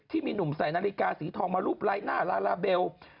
ที่มีหนุ่มใส่นาฬิกาสีทองมารูปลายหน้าลาลาเบล